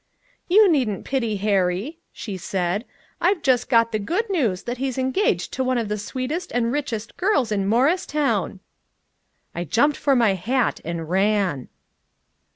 "You needn't pity Harry," she said. "I've just got the good news that he's engaged to one of the sweetest and richest girls in Morristown." I jumped for my hat and ran.